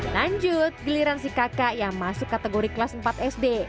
lanjut giliran si kakak yang masuk kategori kelas empat sd